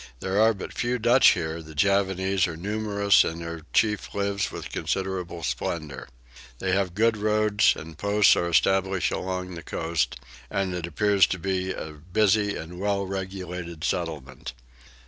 There are but few Dutch here: the Javanese are numerous and their chief lives with considerable splendour. They have good roads and posts are established along the coast; and it appears to be a busy and well regulated settlement.